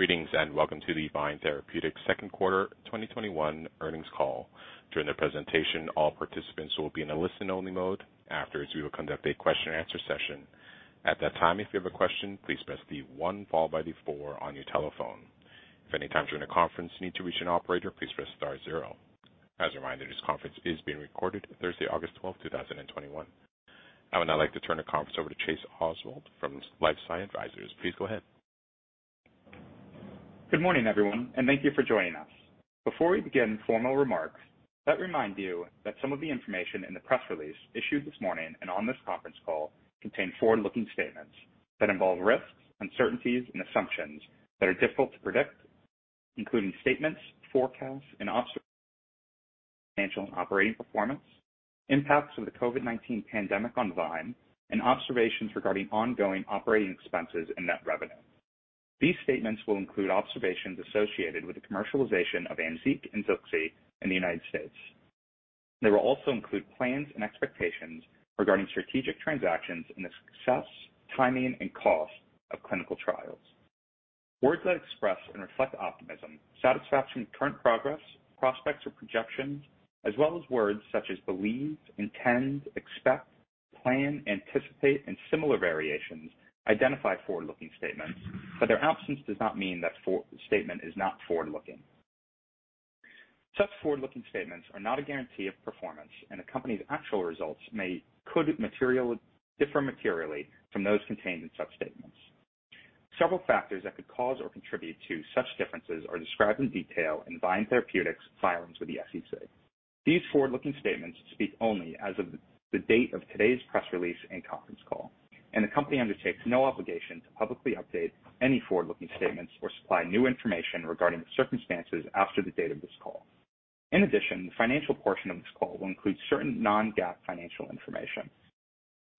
Greetings, and welcome to the VYNE Therapeutics second quarter 2021 earnings call. During the presentation, all participants will be in a listen-only mode. Afterwards, we will conduct a question and answer session. At that time, if you have a question, please press the one followed by the four on your telephone. If at any time during the conference, you need to reach an operator, please press star zero. As a reminder, this conference is being recorded, Thursday, August 12th, 2021. I would now like to turn the conference over to Chase Oswald from LifeSci Advisors. Please go ahead. Good morning, everyone, and thank you for joining us. Before we begin formal remarks, let me remind you that some of the information in the press release issued this morning and on this conference call contain forward-looking statements that involve risks, uncertainties, and assumptions that are difficult to predict, including statements, forecasts, and financial and operating performance, impacts of the COVID-19 pandemic on VYNE, and observations regarding ongoing operating expenses and net revenue. These statements will include observations associated with the commercialization of AMZEEQ and ZILXI in the U.S. They will also include plans and expectations regarding strategic transactions and the success, timing, and cost of clinical trials. Words that express and reflect optimism, satisfaction with current progress, prospects, or projections, as well as words such as believe, intend, expect, plan, anticipate, and similar variations identify forward-looking statements, but their absence does not mean that statement is not forward-looking. Such forward-looking statements are not a guarantee of performance, and the company's actual results may could differ materially from those contained in such statements. Several factors that could cause or contribute to such differences are described in detail in VYNE Therapeutics' filings with the SEC. These forward-looking statements speak only as of the date of today's press release and conference call, and the company undertakes no obligation to publicly update any forward-looking statements or supply new information regarding the circumstances after the date of this call. In addition, the financial portion of this call will include certain non-GAAP financial information.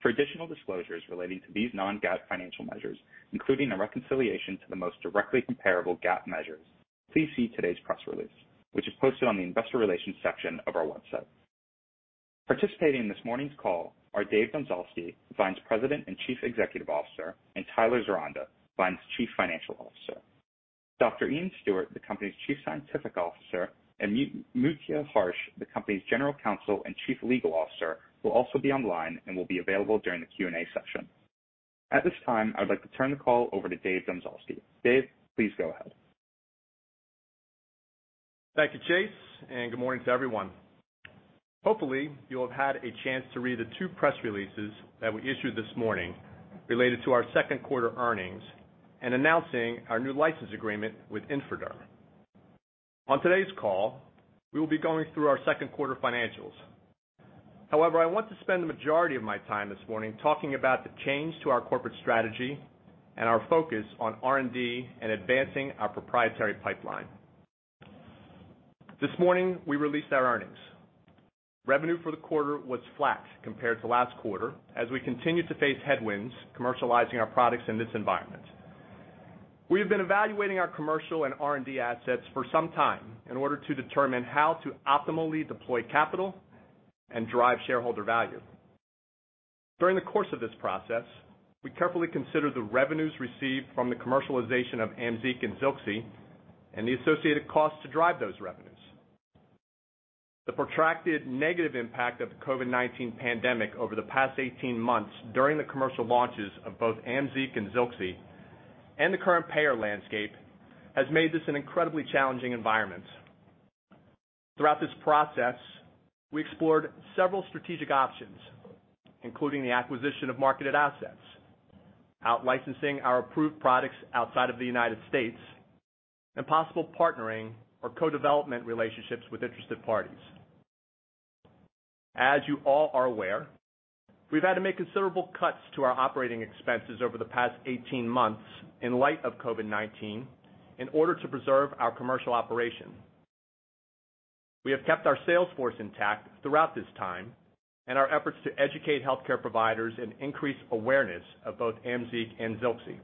For additional disclosures relating to these non-GAAP financial measures, including a reconciliation to the most directly comparable GAAP measures, please see today's press release, which is posted on the investor relations section of our website. Participating in this morning's call are Dave Domzalski, VYNE's President and Chief Executive Officer, and Tyler Zeronda, VYNE's Chief Financial Officer. Dr. Iain Stuart, the company's Chief Scientific Officer, and Mutya Harsch, the company's General Counsel and Chief Legal Officer, will also be online and will be available during the Q&A session. At this time, I would like to turn the call over to Dave Domzalski. Dave, please go ahead. Thank you, Chase, and good morning to everyone. Hopefully, you'll have had a chance to read the two press releases that we issued this morning related to our second quarter earnings and announcing our new license agreement with In4Derm. On today's call, we will be going through our second-quarter financials. However, I want to spend the majority of my time this morning talking about the change to our corporate strategy and our focus on R&D and advancing our proprietary pipeline. This morning, we released our earnings. Revenue for the quarter was flat compared to last quarter as we continued to face headwinds commercializing our products in this environment. We have been evaluating our commercial and R&D assets for some time in order to determine how to optimally deploy capital and drive shareholder value. During the course of this process, we carefully consider the revenues received from the commercialization of AMZEEQ and ZILXI and the associated costs to drive those revenues. The protracted negative impact of the COVID-19 pandemic over the past 18 months during the commercial launches of both AMZEEQ and ZILXI and the current payer landscape has made this an incredibly challenging environment. Throughout this process, we explored several strategic options, including the acquisition of marketed assets, out-licensing our approved products outside of the United States, and possible partnering or co-development relationships with interested parties. As you all are aware, we've had to make considerable cuts to our operating expenses over the past 18 months in light of COVID-19 in order to preserve our commercial operation. We have kept our sales force intact throughout this time and our efforts to educate healthcare providers and increase awareness of both AMZEEQ and ZILXI.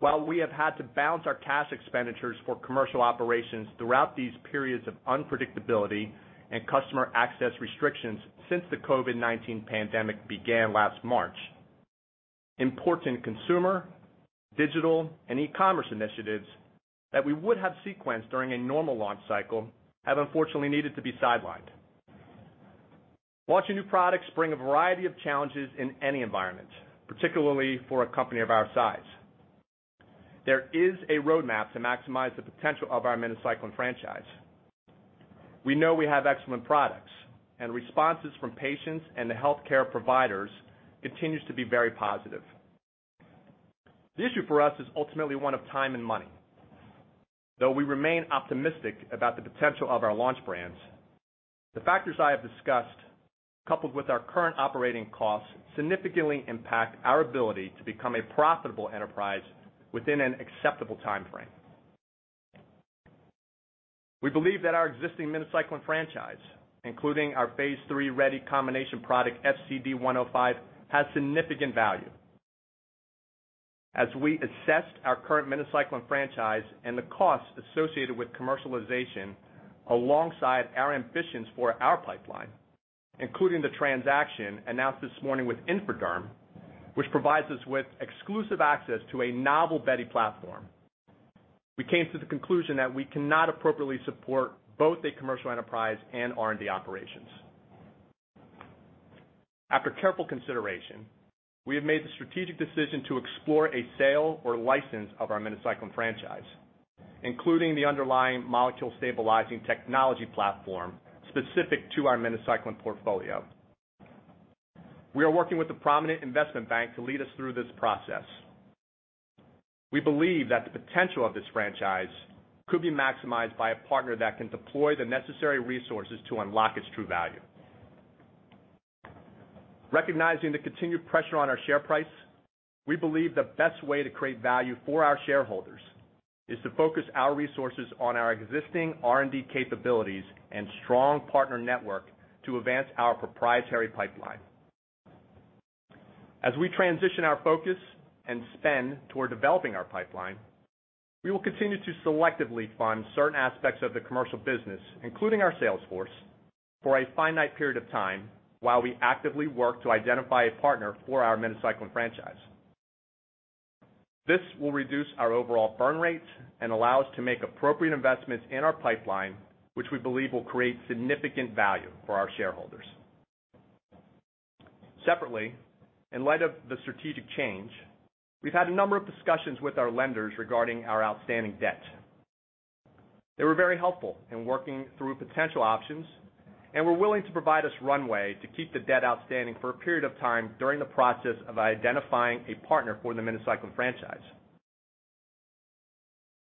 While we have had to balance our cash expenditures for commercial operations throughout these periods of unpredictability and customer access restrictions since the COVID-19 pandemic began last March, important consumer, digital, and e-commerce initiatives that we would have sequenced during a normal launch cycle have unfortunately needed to be sidelined. Launching new products bring a variety of challenges in any environment, particularly for a company of our size. There is a roadmap to maximize the potential of our minocycline franchise. We know we have excellent products, and responses from patients and the healthcare providers continues to be very positive. The issue for us is ultimately one of time and money. Though we remain optimistic about the potential of our launch brands, the factors I have discussed, coupled with our current operating costs, significantly impact our ability to become a profitable enterprise within an acceptable timeframe. We believe that our existing minocycline franchise, including our phase III-ready combination product, FCD105, has significant value. As we assessed our current minocycline franchise and the costs associated with commercialization alongside our ambitions for our pipeline, including the transaction announced this morning with In4Derm, which provides us with exclusive access to a novel BETi platform. We came to the conclusion that we cannot appropriately support both a commercial enterprise and R&D operations. After careful consideration, we have made the strategic decision to explore a sale or license of our minocycline franchise, including the underlying molecule stabilizing technology platform specific to our minocycline portfolio. We are working with a prominent investment bank to lead us through this process. We believe that the potential of this franchise could be maximized by a partner that can deploy the necessary resources to unlock its true value. Recognizing the continued pressure on our share price, we believe the best way to create value for our shareholders is to focus our resources on our existing R&D capabilities and strong partner network to advance our proprietary pipeline. As we transition our focus and spend toward developing our pipeline, we will continue to selectively fund certain aspects of the commercial business, including our sales force, for a finite period of time while we actively work to identify a partner for our minocycline franchise. This will reduce our overall burn rates and allow us to make appropriate investments in our pipeline, which we believe will create significant value for our shareholders. Separately, in light of the strategic change, we've had a number of discussions with our lenders regarding our outstanding debt. They were very helpful in working through potential options and were willing to provide us runway to keep the debt outstanding for a period of time during the process of identifying a partner for the minocycline franchise.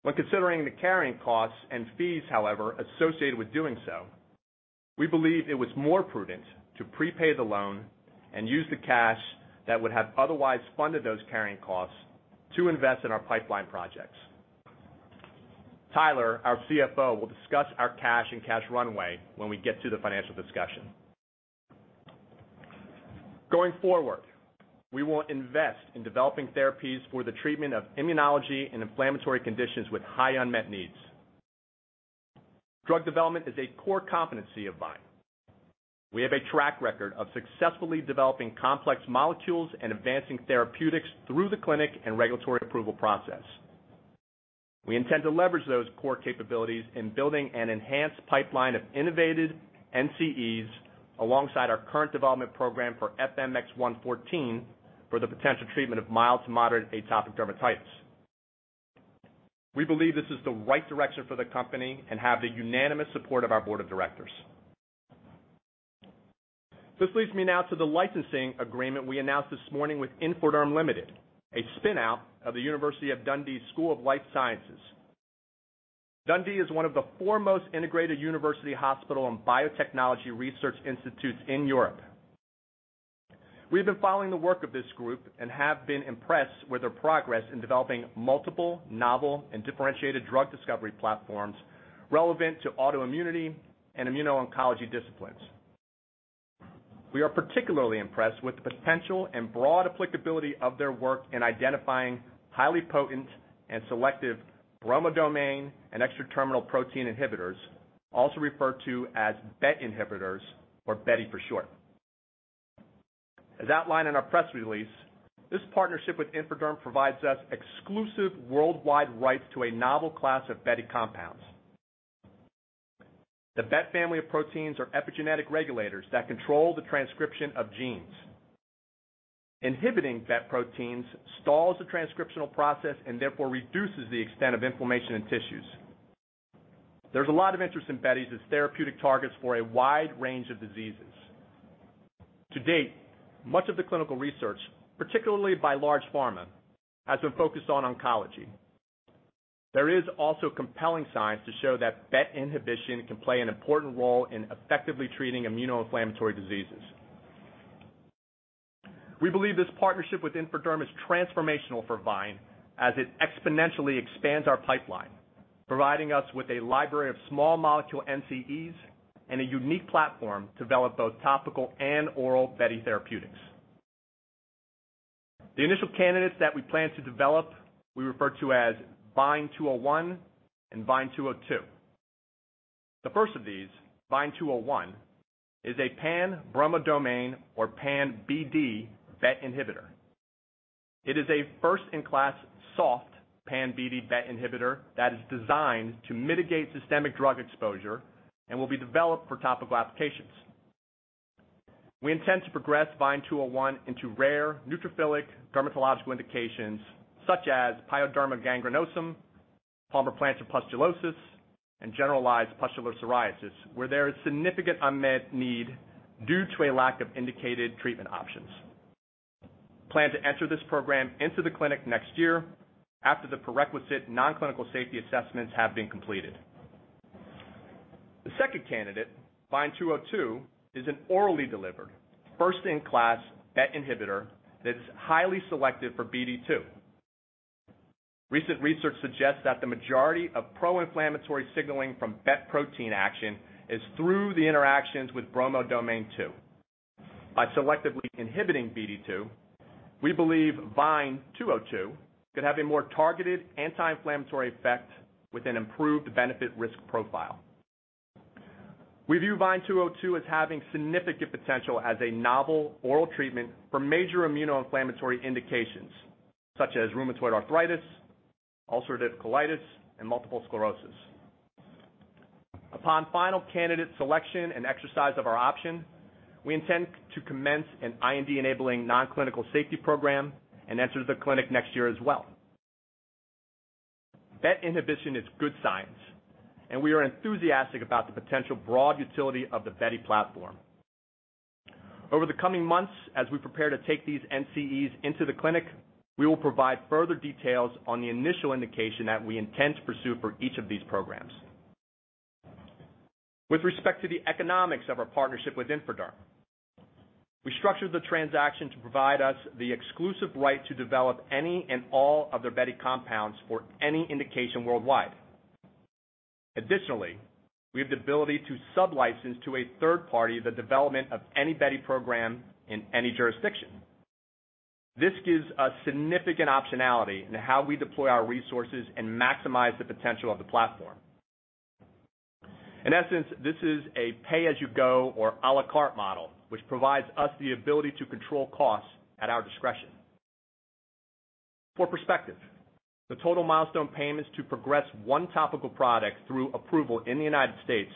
When considering the carrying costs and fees, however, associated with doing so, we believe it was more prudent to prepay the loan and use the cash that would have otherwise funded those carrying costs to invest in our pipeline projects. Tyler, our CFO, will discuss our cash and cash runway when we get to the financial discussion. Going forward, we will invest in developing therapies for the treatment of immunology and inflammatory conditions with high unmet needs. Drug development is a core competency of VYNE. We have a track record of successfully developing complex molecules and advancing therapeutics through the clinic and regulatory approval process. We intend to leverage those core capabilities in building an enhanced pipeline of innovative NCEs alongside our current development program for FMX114 for the potential treatment of mild to moderate atopic dermatitis. We believe this is the right direction for the company and have the unanimous support of our board of directors. This leads me now to the licensing agreement we announced this morning with In4Derm Limited, a spinout of the University of Dundee's School of Life Sciences. Dundee is one of the foremost integrated university-hospital and biotechnology research institutes in Europe. We have been following the work of this group and have been impressed with their progress in developing multiple, novel, and differentiated drug discovery platforms relevant to autoimmunity and immuno-oncology disciplines. We are particularly impressed with the potential and broad applicability of their work in identifying highly potent and selective bromodomain and extra-terminal domain inhibitors, also referred to as BET inhibitors or BETi for short. As outlined in our press release, this partnership with In4Derm provides us exclusive worldwide rights to a novel class of BETi compounds. The BET family of proteins are epigenetic regulators that control the transcription of genes. Inhibiting BET proteins stalls the transcriptional process and therefore reduces the extent of inflammation in tissues. There's a lot of interest in BETi as therapeutic targets for a wide range of diseases. To date, much of the clinical research, particularly by large pharma, has been focused on oncology. There is also compelling science to show that BET inhibition can play an important role in effectively treating immunoinflammatory diseases. We believe this partnership with In4Derm is transformational for VYNE as it exponentially expands our pipeline, providing us with a library of small molecule NCEs and a unique platform to develop both topical and oral BETi therapeutics. The initial candidates that we plan to develop we refer to as VYN201 and VYN202. The first of these, VYN201, is a pan-bromodomain or pan-BD BET inhibitor. It is a first-in-class soft pan-BD BET inhibitor that is designed to mitigate systemic drug exposure and will be developed for topical applications. We intend to progress VYN201 into rare neutrophilic dermatological indications such as pyoderma gangrenosum, palmoplantar pustulosis, and generalized pustular psoriasis, where there is significant unmet need due to a lack of indicated treatment options. We plan to enter this program into the clinic next year after the prerequisite non-clinical safety assessments have been completed. The second candidate, VYN202, is an orally delivered, first-in-class BET inhibitor that's highly selective for BD2. Recent research suggests that the majority of pro-inflammatory signaling from BET protein action is through the interactions with bromodomain 2. By selectively inhibiting BD2, we believe VYN202 could have a more targeted anti-inflammatory effect with an improved benefit-risk profile. We view VYN202 as having significant potential as a novel oral treatment for major immunoinflammatory indications such as rheumatoid arthritis, ulcerative colitis, and multiple sclerosis. Upon final candidate selection and exercise of our option, we intend to commence an IND-enabling non-clinical safety program and enter the clinic next year as well. BET inhibition is good science, and we are enthusiastic about the potential broad utility of the BETi platform. Over the coming months, as we prepare to take these NCEs into the clinic, we will provide further details on the initial indication that we intend to pursue for each of these programs. With respect to the economics of our partnership with In4Derm, we structured the transaction to provide us the exclusive right to develop any and all of their BETi compounds for any indication worldwide. Additionally, we have the ability to sublicense to a third party the development of any BETi program in any jurisdiction. This gives us significant optionality in how we deploy our resources and maximize the potential of the platform. In essence, this is a pay-as-you-go or à la carte model, which provides us the ability to control costs at our discretion. For perspective, the total milestone payments to progress one topical product through approval in the U.S.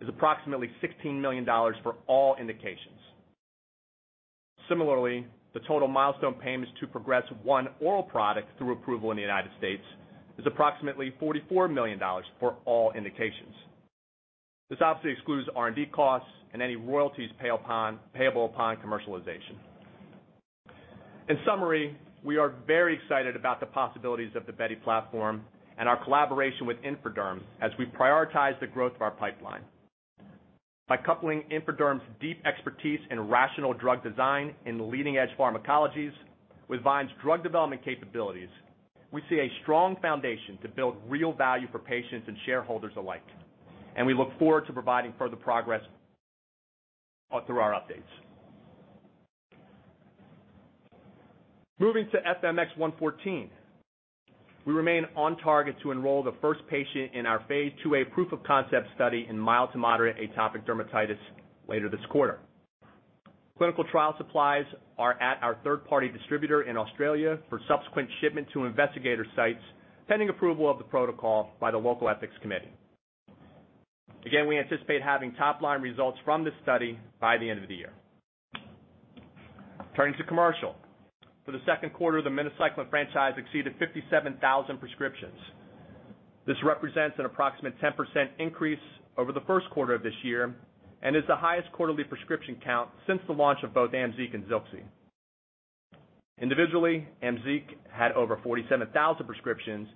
is approximately $16 million for all indications. Similarly, the total milestone payments to progress one oral product through approval in the U.S. is approximately $44 million for all indications. This obviously excludes R&D costs and any royalties payable upon commercialization. In summary, we are very excited about the possibilities of the BETi platform and our collaboration with In4Derm as we prioritize the growth of our pipeline. By coupling In4Derm's deep expertise in rational drug design and leading-edge pharmacologies with VYNE's drug development capabilities, we see a strong foundation to build real value for patients and shareholders alike, and we look forward to providing further progress through our updates. Moving to FMX114, we remain on target to enroll the first patient in our phase IIa proof of concept study in mild to moderate atopic dermatitis later this quarter. Clinical trial supplies are at our third-party distributor in Australia for subsequent shipment to investigator sites, pending approval of the protocol by the local ethics committee. Again, we anticipate having top-line results from this study by the end of the year. Turning to commercial. For the second quarter, the minocycline franchise exceeded 57,000 prescriptions. This represents an approximate 10% increase over the first quarter of this year and is the highest quarterly prescription count since the launch of both AMZEEQ and ZILXI. Individually, AMZEEQ had over 47,000 prescriptions,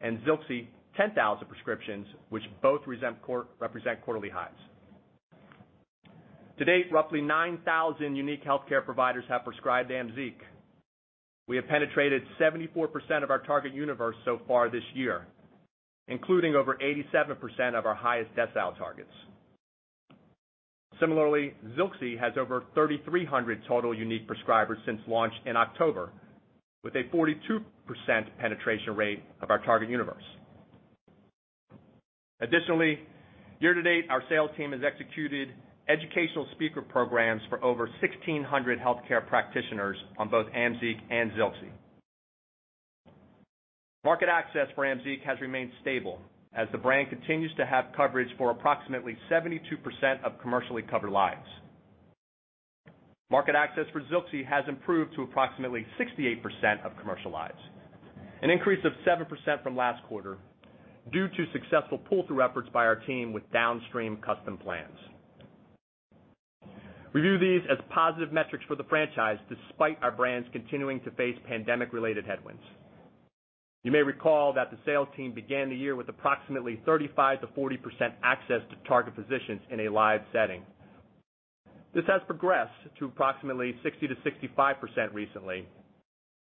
and ZILXI, 10,000 prescriptions, which both represent quarterly highs. To date, roughly 9,000 unique healthcare providers have prescribed AMZEEQ. We have penetrated 74% of our target universe so far this year, including over 87% of our highest decile targets. Similarly, ZILXI has over 3,300 total unique prescribers since launch in October, with a 42% penetration rate of our target universe. Additionally, year-to-date, our sales team has executed educational speaker programs for over 1,600 healthcare practitioners on both AMZEEQ and ZILXI. Market access for AMZEEQ has remained stable as the brand continues to have coverage for approximately 72% of commercially covered lives. Market access for ZILXI has improved to approximately 68% of commercial lives, an increase of 7% from last quarter due to successful pull-through efforts by our team with downstream custom plans. We view these as positive metrics for the franchise, despite our brands continuing to face pandemic-related headwinds. You may recall that the sales team began the year with approximately 35%-40% access to target positions in a live setting. This has progressed to approximately 60%-65% recently,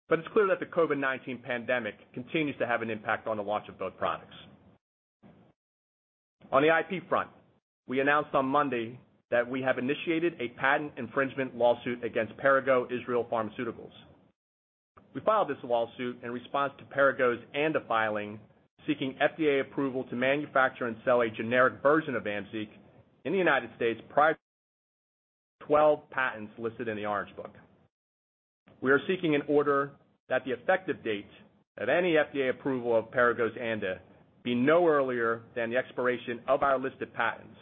but it's clear that the COVID-19 pandemic continues to have an impact on the launch of both products. On the IP front, we announced on Monday that we have initiated a patent infringement lawsuit against Perrigo Israel Pharmaceuticals. We filed this lawsuit in response to Perrigo's ANDA filing, seeking FDA approval to manufacture and sell a generic version of AMZEEQ in the U.S. prior 12 patents listed in the Orange Book. We are seeking an order that the effective date of any FDA approval of Perrigo's ANDA be no earlier than the expiration of our listed patents,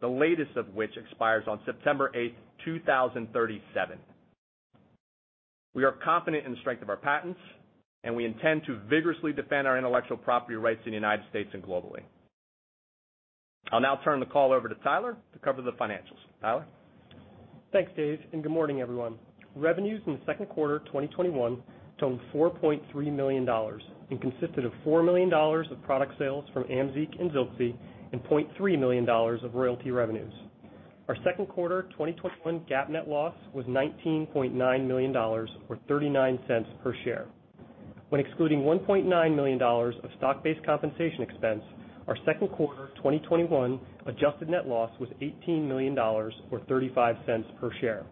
the latest of which expires on September 8th, 2037. We are confident in the strength of our patents. We intend to vigorously defend our intellectual property rights in the U.S. and globally. I'll now turn the call over to Tyler to cover the financials. Tyler? Thanks, Dave. Good morning, everyone. Revenues in the second quarter 2021 totaled $4.3 million and consisted of $4 million of product sales from AMZEEQ and ZILXI, and $0.3 million of royalty revenues. Our second quarter 2021 GAAP net loss was $19.9 million, or $0.39 per share. When excluding $1.9 million of stock-based compensation expense, our second quarter 2021 adjusted net loss was $18 million, or $0.35 per share.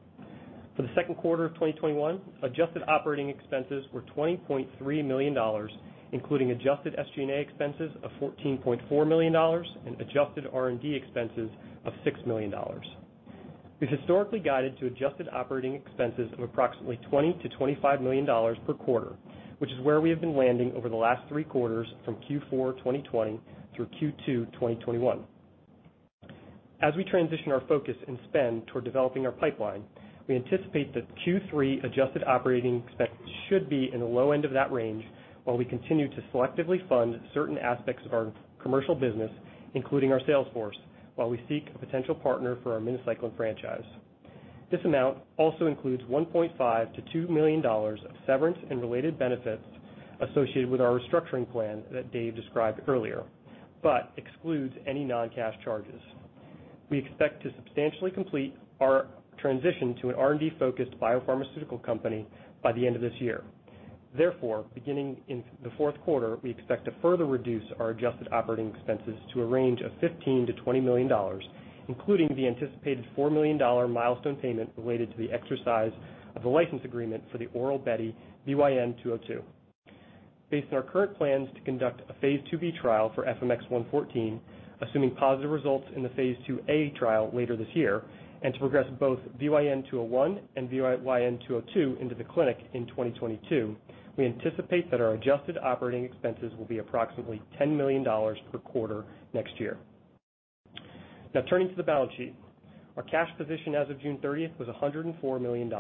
For the second quarter of 2021, adjusted operating expenses were $20.3 million, including adjusted SG&A expenses of $14.4 million and adjusted R&D expenses of $6 million. We've historically guided to adjusted operating expenses of approximately $20 million-$25 million per quarter, which is where we have been landing over the last three quarters from Q4 2020 through Q2 2021. As we transition our focus and spend toward developing our pipeline, we anticipate that Q3 adjusted operating expenses should be in the low end of that range while we continue to selectively fund certain aspects of our commercial business, including our sales force, while we seek a potential partner for our minocycline franchise. This amount also includes $1.5 million-$2 million of severance and related benefits associated with our restructuring plan that Dave described earlier, but excludes any non-cash charges. We expect to substantially complete our transition to an R&D-focused biopharmaceutical company by the end of this year. Beginning in the fourth quarter, we expect to further reduce our adjusted operating expenses to a range of $15 million-$20 million, including the anticipated $4 million milestone payment related to the exercise of the license agreement for the oral BETI, VYN202. Based on our current plans to conduct a phase IIb trial for FMX114, assuming positive results in the phase IIa trial later this year, and to progress both VYN201 and VYN202 into the clinic in 2022, we anticipate that our adjusted operating expenses will be approximately $10 million per quarter next year. Now turning to the balance sheet. Our cash position as of June 30th was $104 million.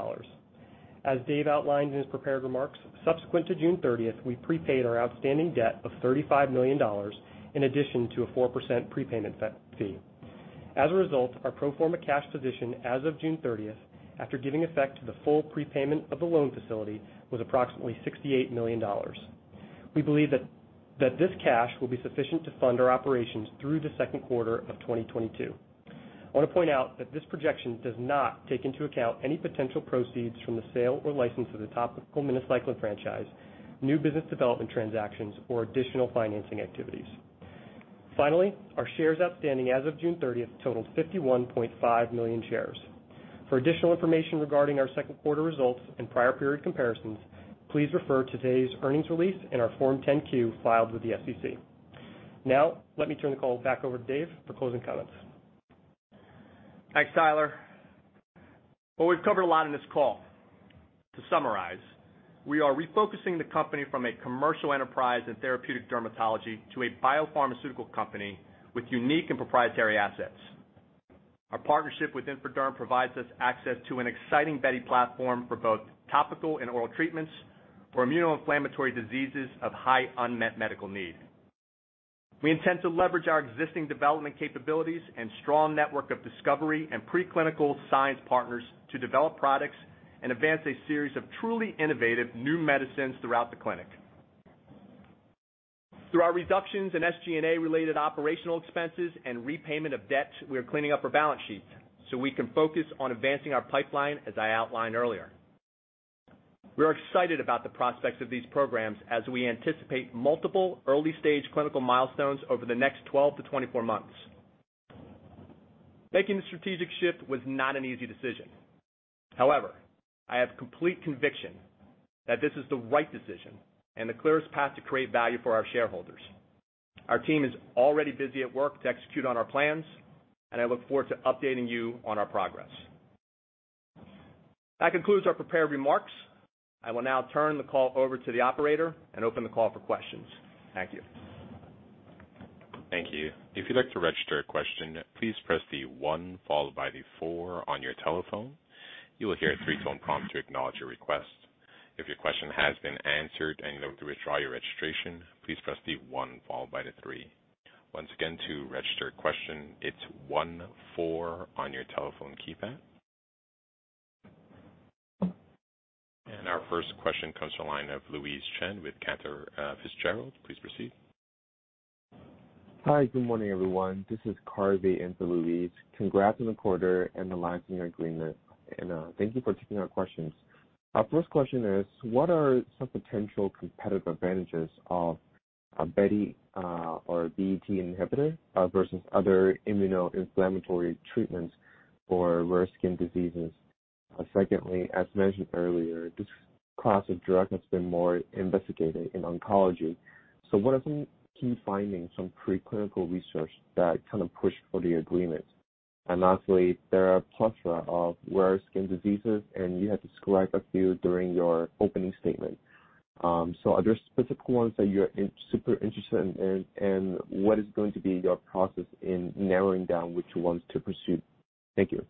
As Dave outlined in his prepared remarks, subsequent to June 30th, we prepaid our outstanding debt of $35 million in addition to a 4% prepayment fee. As a result, our pro forma cash position as of June 30th, after giving effect to the full prepayment of the loan facility, was approximately $68 million. We believe that this cash will be sufficient to fund our operations through the second quarter of 2022. I want to point out that this projection does not take into account any potential proceeds from the sale or license of the topical minocycline franchise, new business development transactions, or additional financing activities. Finally, our shares outstanding as of June 30th totaled 51.5 million shares. For additional information regarding our second quarter results and prior period comparisons, please refer to today's earnings release and our Form 10-Q filed with the SEC. Now, let me turn the call back over to Dave for closing comments. Thanks, Tyler. Well, we've covered a lot in this call. To summarize, we are refocusing the company from a commercial enterprise in therapeutic dermatology to a biopharmaceutical company with unique and proprietary assets. Our partnership with In4Derm provides us access to an exciting BETi platform for both topical and oral treatments for immuno-inflammatory diseases of high unmet medical need. We intend to leverage our existing development capabilities and strong network of discovery and preclinical science partners to develop products and advance a series of truly innovative new medicines throughout the clinic. Through our reductions in SG&A-related operating expenses and repayment of debt, we are cleaning up our balance sheets so we can focus on advancing our pipeline as I outlined earlier. We are excited about the prospects of these programs as we anticipate multiple early-stage clinical milestones over the next 12 months-24 months. Making the strategic shift was not an easy decision. However, I have complete conviction that this is the right decision and the clearest path to create value for our shareholders. Our team is already busy at work to execute on our plans, and I look forward to updating you on our progress. That concludes our prepared remarks. I will now turn the call over to the operator and open the call for questions. Thank you. Thank you. Our first question comes from the line of Louise Chen with Cantor Fitzgerald. Please proceed. Hi, good morning, everyone. This is Carvey in for Louise. Congrats on the quarter and the licensing agreement. Thank you for taking our questions. Our first question is, what are some potential competitive advantages of a BETi or a BET inhibitor versus other immuno-inflammatory treatments for rare skin diseases? Secondly, as mentioned earlier, this class of drug has been more investigated in oncology. What are some key findings from preclinical research that kind of pushed for the agreement? Lastly, there are a plethora of rare skin diseases, and you had described a few during your opening statement. Are there specific ones that you're super interested in, and what is going to be your process in narrowing down which ones to pursue? Thank you.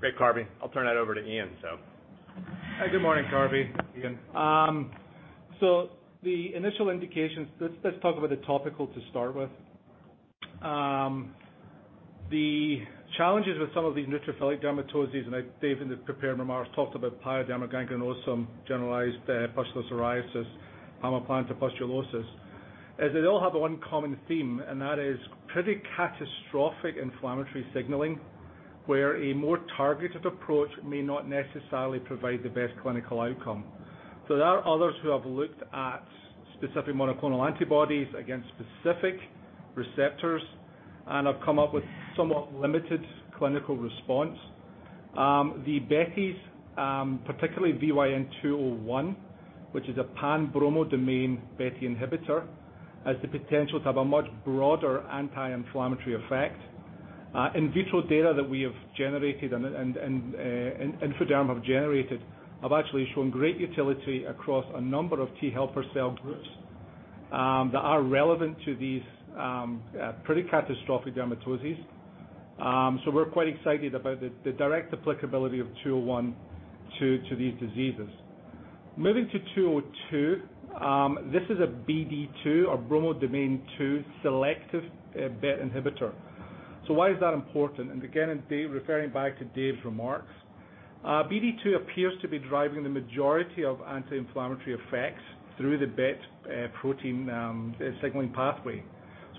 Great, Carvey. I'll turn that over to Iain, so. Hi, good morning, Carvey. Iain. The initial indications, let's talk about the topical to start with. The challenges with some of these neutrophilic dermatoses, and Dave in the prepared remarks talked about pyoderma gangrenosum, generalized pustular psoriasis, palmoplantar pustulosis, is they all have one common theme, and that is pretty catastrophic inflammatory signaling, where a more targeted approach may not necessarily provide the best clinical outcome. There are others who have looked at specific monoclonal antibodies against specific receptors and have come up with somewhat limited clinical response. The BETi, particularly VYN201, which is a pan-bromodomain BET inhibitor, has the potential to have a much broader anti-inflammatory effect. In vitro data that we have generated and In4Derm have generated, have actually shown great utility across a number of T-helper cell groups that are relevant to these pretty catastrophic dermatoses. We're quite excited about the direct applicability of VYN201 to these diseases. Moving to VYN202, this is a BD2 or bromodomain 2 selective BET inhibitor. Why is that important? Again, referring back to Dave's remarks, BD2 appears to be driving the majority of anti-inflammatory effects through the BET protein signaling pathway.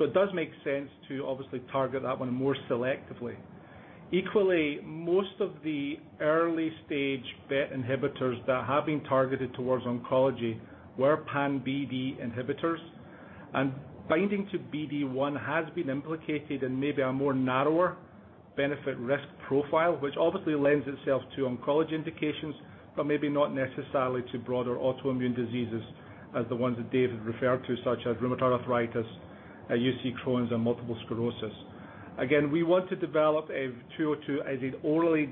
It does make sense to obviously target that one more selectively. Equally, most of the early-stage BET inhibitors that have been targeted towards oncology were pan-BD inhibitors, and binding to BD1 has been implicated in maybe a narrower benefit risk profile, which obviously lends itself to oncology indications, but maybe not necessarily to broader autoimmune diseases as the ones that Dave has referred to, such as rheumatoid arthritis, ulcerative colitis, and multiple sclerosis. Again, we want to develop a VYN202 as an orally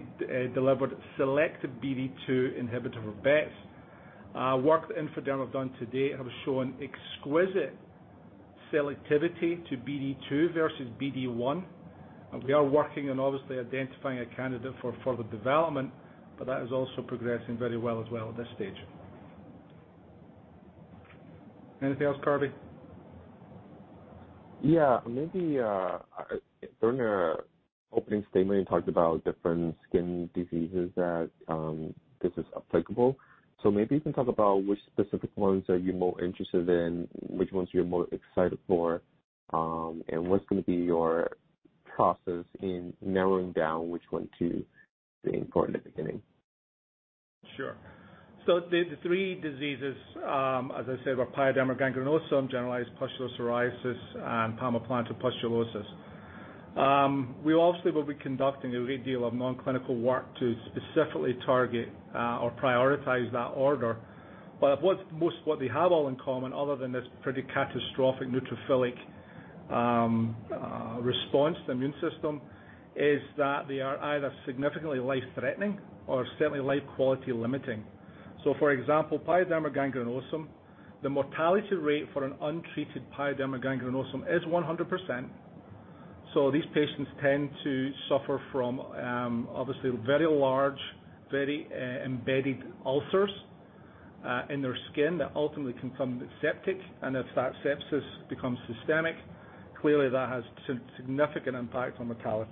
delivered selective BD2 inhibitor of BET. Work that In4Derm have done to date have shown exquisite selectivity to BD2 versus BD1. We are working on obviously identifying a candidate for further development. That is also progressing very well as well at this stage. Anything else, Carvey? Yeah. During your opening statement, you talked about different skin diseases that this is applicable. Maybe you can talk about which specific ones are you more interested in, which ones you're more excited for, and what's going to be your process in narrowing down which one to being important at the beginning? Sure. The three diseases, as I said, were pyoderma gangrenosum, generalized pustular psoriasis, and palmoplantar pustulosis. We obviously will be conducting a great deal of non-clinical work to specifically target or prioritize that order. What they have all in common, other than this pretty catastrophic neutrophilic response to the immune system, is that they are either significantly life-threatening or certainly life quality limiting. For example, pyoderma gangrenosum, the mortality rate for an untreated pyoderma gangrenosum is 100%. These patients tend to suffer from obviously very large, very embedded ulcers in their skin that ultimately can become septic. If that sepsis becomes systemic, clearly that has significant impact on mortality.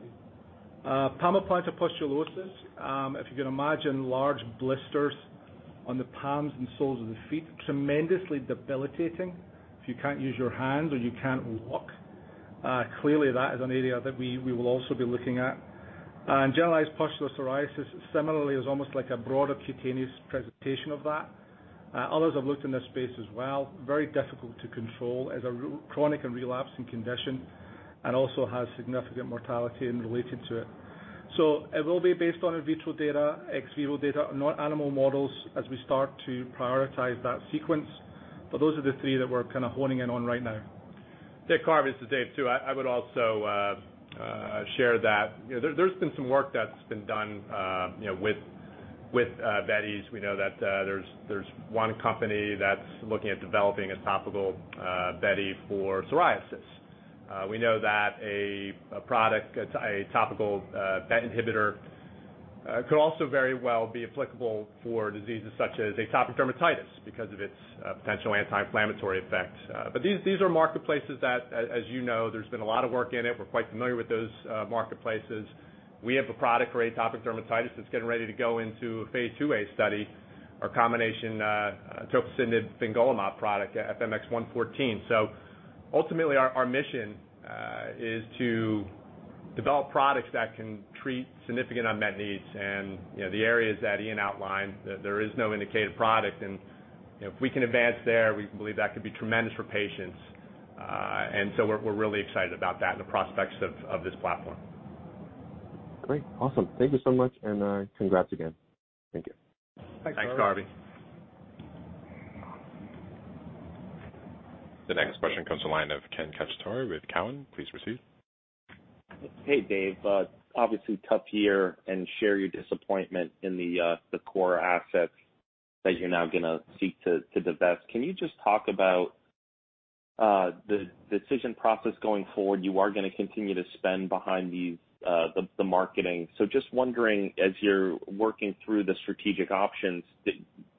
Palmoplantar pustulosis, if you can imagine large blisters on the palms and soles of the feet, tremendously debilitating. If you can't use your hands or you can't walk, clearly that is an area that we will also be looking at. Generalized pustular psoriasis similarly is almost like a broader cutaneous presentation of that. Others have looked in this space as well. Very difficult to control. Is a chronic and relapsing condition, and also has significant mortality in relation to it. It will be based on in vitro data, ex vivo data, not animal models, as we start to prioritize that sequence. Those are the three that we're kind of honing in on right now. Yeah, Carvey, this is Dave, too. I would also share that there's been some work that's been done with BETi. We know that there's one company that's looking at developing a topical BETi for psoriasis. We know that a product, a topical BET inhibitor, could also very well be applicable for diseases such as atopic dermatitis because of its potential anti-inflammatory effect. These are marketplaces that, as you know, there's been a lot of work in it. We're quite familiar with those marketplaces. We have a product for atopic dermatitis that's getting ready to go into a phase IIa study. Our combination tofacitinib fingolimod product, FMX114. Ultimately our mission is to develop products that can treat significant unmet needs. The areas that Iain outlined, there is no indicated product. If we can advance there, we believe that could be tremendous for patients. We're really excited about that and the prospects of this platform. Great. Awesome. Thank you so much, and congrats again. Thank you. Thanks, Carvey. Thanks, Carvey. The next question comes to the line of Ken Cacciatore with Cowen. Please proceed. Hey, Dave. Obviously tough year, and share your disappointment in the core assets that you're now going to seek to divest. Can you just talk about the decision process going forward? You are going to continue to spend behind the marketing. Just wondering, as you're working through the strategic options,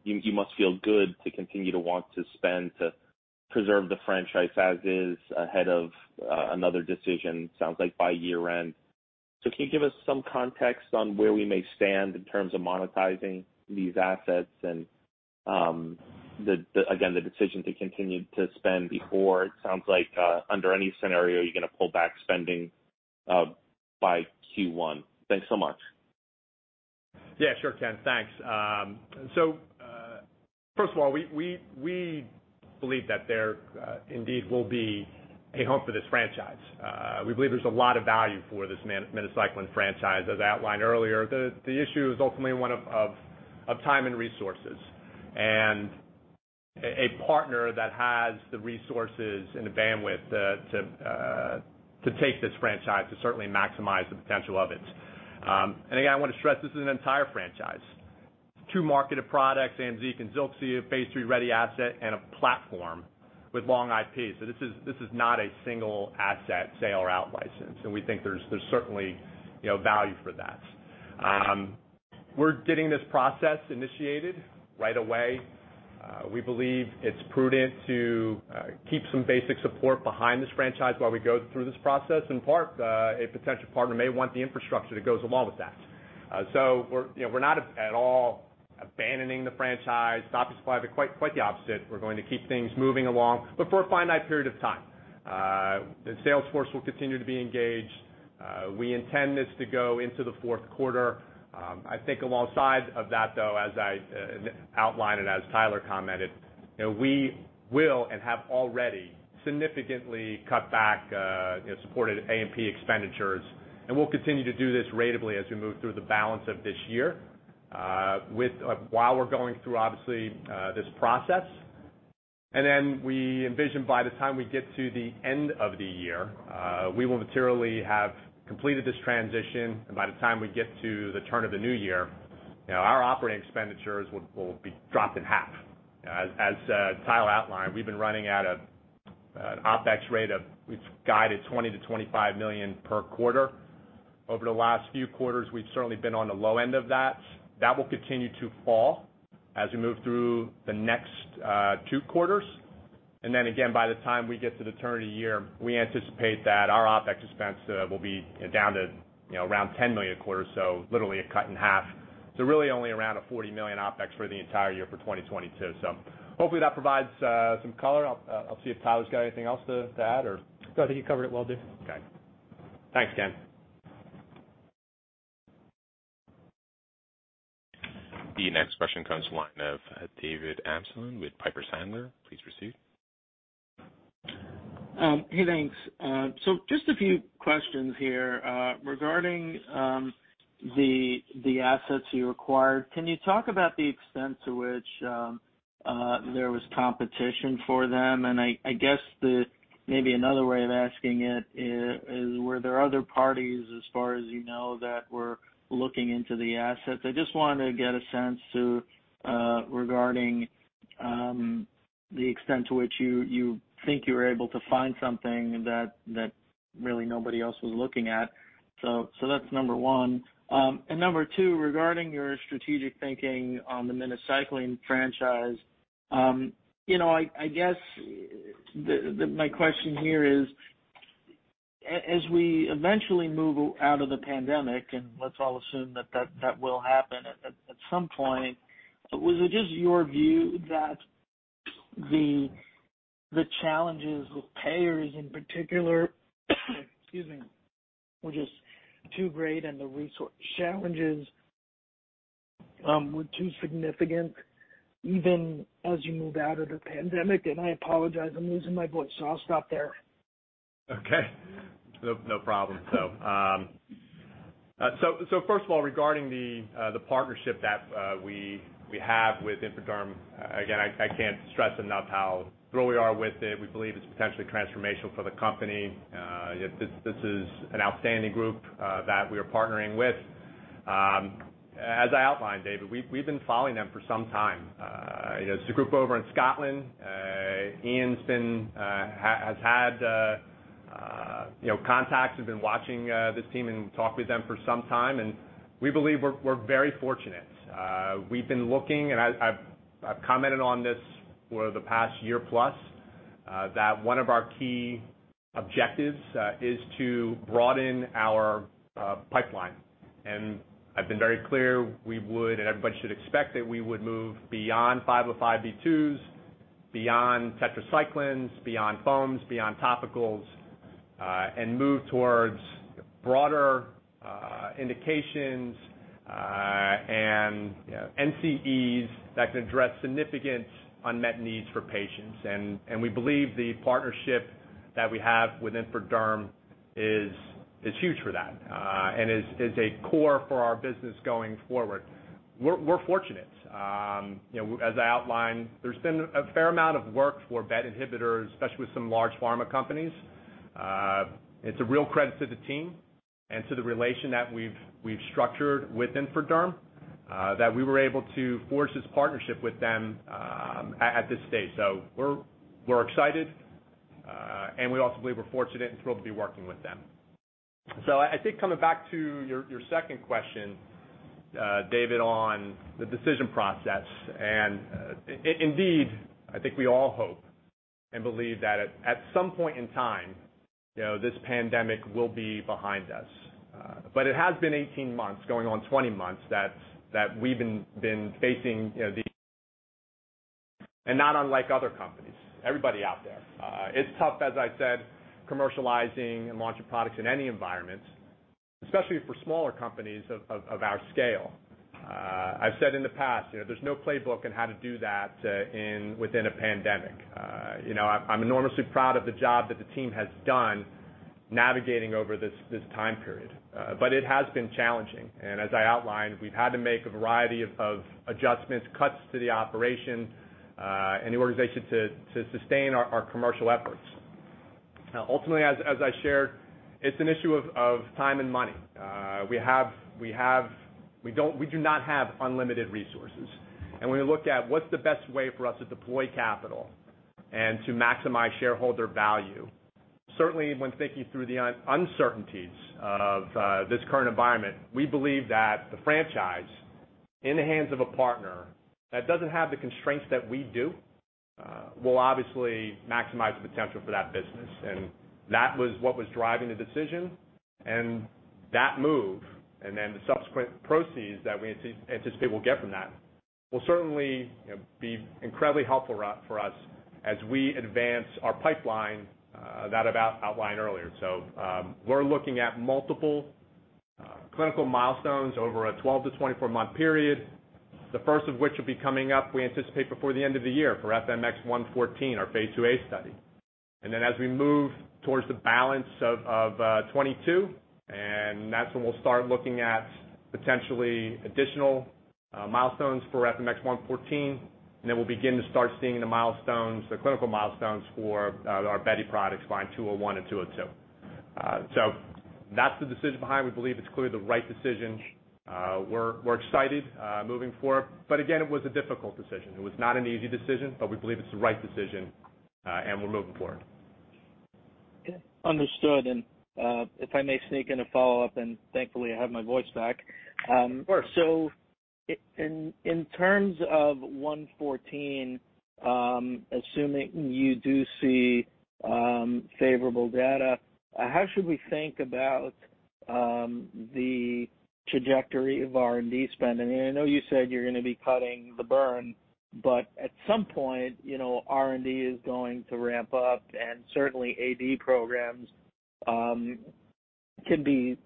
you must feel good to continue to want to spend to preserve the franchise as is ahead of another decision, sounds like by year-end. Can you give us some context on where we may stand in terms of monetizing these assets and the again, the decision to continue to spend before it sounds like under any scenario you're going to pull back spending by Q1? Thanks so much. Yeah, sure Ken. Thanks. First of all, we believe that there indeed will be a home for this franchise. We believe there's a lot of value for this minocycline franchise, as outlined earlier. The issue is ultimately one of time and resources, and a partner that has the resources and the bandwidth to take this franchise, to certainly maximize the potential of it. Again, I want to stress this is an entire franchise. Two marketed products, AMZEEQ and ZILXI, a phase III-ready asset, and a platform with long IP. This is not a single asset sale or out license, and we think there's certainly value for that. We're getting this process initiated right away. We believe it's prudent to keep some basic support behind this franchise while we go through this process. In part, a potential partner may want the infrastructure that goes along with that. We're not at all abandoning the franchise. Quite the opposite. We're going to keep things moving along, but for a finite period of time. The sales force will continue to be engaged. We intend this to go into the fourth quarter. I think alongside of that, though, as I outlined and as Tyler commented, we will and have already significantly cut back supported A&P expenditures. We'll continue to do this ratably as we move through the balance of this year while we're going through, obviously, this process. We envision by the time we get to the end of the year, we will materially have completed this transition. By the time we get to the turn of the new year, our operating expenditures will be dropped in half. As Tyler outlined, we've been running at an OpEx rate of, we've guided $20 million-$25 million per quarter. Over the last few quarters, we've certainly been on the low end of that. That will continue to fall as we move through the next two quarters. By the time we get to the turn of the year, we anticipate that our OpEx expense will be down to around $10 million a quarter. Literally a cut in half to really only around a $40 million OpEx for the entire year for 2022. Hopefully that provides some color. I'll see if Tyler's got anything else to add or. No, I think you covered it well, Dave. Okay. Thanks, Ken. The next question comes from the line of David Amsellem with Piper Sandler. Please proceed. Hey, thanks. Just a few questions here. Regarding the assets you acquired, can you talk about the extent to which there was competition for them? I guess maybe another way of asking it is, were there other parties, as far as you know, that were looking into the assets? I just wanted to get a sense regarding the extent to which you think you were able to find something that really nobody else was looking at. That's number one. Number two, regarding your strategic thinking on the minocycline franchise. I guess my question here is, as we eventually move out of the pandemic, and let's all assume that will happen at some point, was it just your view that the challenges with payers in particular were just too great and the resource challenges were too significant even as you move out of the pandemic? I apologize, I'm losing my voice, so I'll stop there. Okay. No problem. First of all, regarding the partnership that we have with In4Derm, again, I can't stress enough how thrilled we are with it. We believe it's potentially transformational for the company. This is an outstanding group that we are partnering with. As I outlined, David, we've been following them for some time. It's a group over in Scotland. Iain has had contacts and been watching this team and talk with them for some time, and we believe we're very fortunate. We've been looking, and I've commented on this for the past year plus, that one of our key objectives is to broaden our pipeline. I've been very clear we would, and everybody should expect that we would move beyond 505(b)(2)s, beyond tetracyclines, beyond foams, beyond topicals, and move towards broader indications and NCEs that can address significant unmet needs for patients. We believe the partnership that we have with In4Derm is huge for that and is a core for our business going forward. We're fortunate. As I outlined, there's been a fair amount of work for BET inhibitors, especially with some large pharma companies. It's a real credit to the team and to the relation that we've structured with In4Derm that we were able to forge this partnership with them at this stage. We're excited, and we also believe we're fortunate and thrilled to be working with them. I think coming back to your second question, David, on the decision process, and indeed, I think we all hope and believe that at some point in time, this pandemic will be behind us. It has been 18 months, going on 20 months. Not unlike other companies, everybody out there. It's tough, as I said, commercializing and launching products in any environment, especially for smaller companies of our scale. I've said in the past, there's no playbook on how to do that within a pandemic. I'm enormously proud of the job that the team has done navigating over this time period. It has been challenging. As I outlined, we've had to make a variety of adjustments, cuts to the operation, and the organization to sustain our commercial efforts. Ultimately, as I shared, it's an issue of time and money. We do not have unlimited resources, and when we look at what's the best way for us to deploy capital and to maximize shareholder value, certainly when thinking through the uncertainties of this current environment, we believe that the franchise in the hands of a partner that doesn't have the constraints that we do will obviously maximize the potential for that business. That was what was driving the decision and that move, and then the subsequent proceeds that we anticipate we'll get from that will certainly be incredibly helpful for us as we advance our pipeline that I've outlined earlier. We're looking at multiple clinical milestones over a 12-month to 24-month period, the first of which will be coming up, we anticipate, before the end of the year for FMX114, our phase IIa study. Then as we move towards the balance of 2022, and that's when we'll start looking at potentially additional milestones for FMX114, and then we'll begin to start seeing the clinical milestones for our BETi products, VYN201 and VYN202. That's the decision behind. We believe it's clearly the right decision. We're excited moving forward. Again, it was a difficult decision. It was not an easy decision, but we believe it's the right decision, and we're moving forward. Okay, understood. If I may sneak in a follow-up, and thankfully, I have my voice back. Of course. In terms of 114, assuming you do see favorable data, how should we think about the trajectory of R&D spend? I know you said you're going to be cutting the burn, but at some point, R&D is going to ramp up, and certainly AD programs can be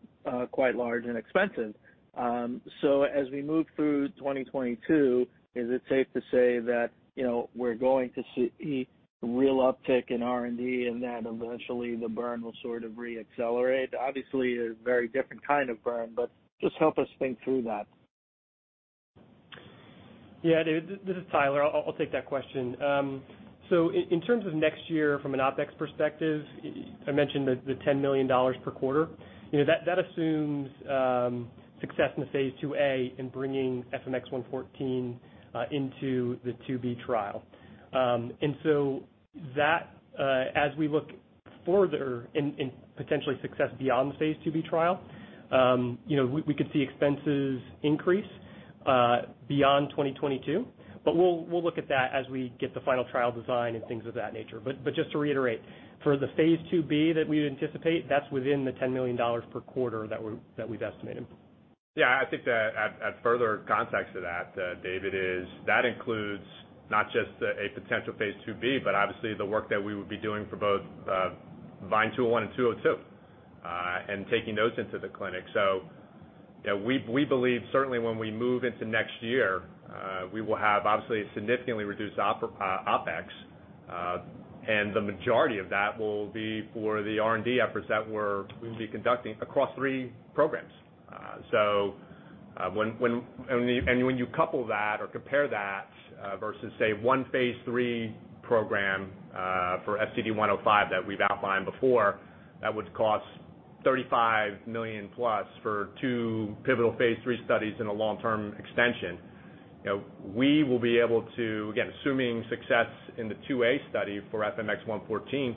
quite large and expensive. As we move through 2022, is it safe to say that we're going to see a real uptick in R&D and that eventually the burn will sort of re-accelerate? Obviously, a very different kind of burn, but just help us think through that. Yeah, David, this is Tyler. I'll take that question. In terms of next year from an OpEx perspective, I mentioned the $10 million per quarter. That assumes success in the phase IIa in bringing FMX114 into the phase IIb trial. As we look further in potentially success beyond the phase IIb trial, we could see expenses increase beyond 2022. We'll look at that as we get the final trial design and things of that nature. Just to reiterate, for the phase IIb that we anticipate, that's within the $10 million per quarter that we've estimated. Yeah, I think to add further context to that, David, is that includes not just a potential phase IIb, but obviously the work that we would be doing for both VYN201 and VYN202, and taking those into the clinic. We believe certainly when we move into next year, we will have obviously a significantly reduced OpEx. The majority of that will be for the R&D efforts that we'll be conducting across three programs. When you couple that or compare that versus, say, one phase III program for FCD105 that we've outlined before, that would cost $35 million+ for two pivotal phase III studies and a long-term extension. We will be able to, again, assuming success in the phase IIa study for FMX114,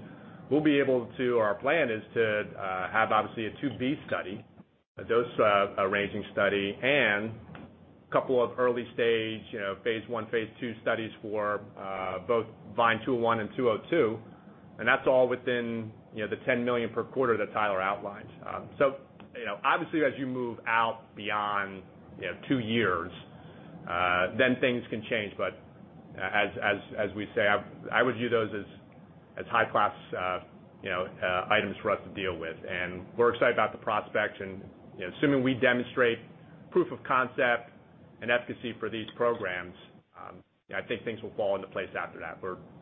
our plan is to have obviously a phase IIb study, a dose ranging study, and a couple of early stage phase I, phase II studies for both VYN201 and VYN202, and that's all within the $10 million per quarter that Tyler outlined. Obviously as you move out beyond two years, then things can change. As we say, I would view those as high-class items for us to deal with. We're excited about the prospects. Assuming we demonstrate proof of concept and efficacy for these programs, I think things will fall into place after that.